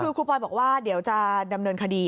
คือครูปอยบอกว่าเดี๋ยวจะดำเนินคดี